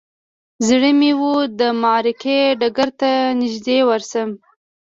زړه مې و د معرکې ډګر ته نږدې ورشم.